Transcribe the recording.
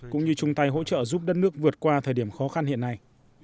cũng như chung tay hỗ trợ giúp đất nước vượt qua thời điểm khó khăn hiện nay